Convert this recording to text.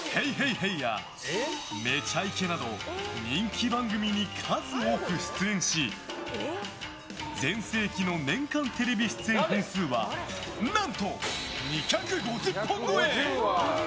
ＨＥＹ！」や「めちゃイケ」など人気番組に数多く出演し全盛期の年間テレビ出演本数は何と２５０本超え！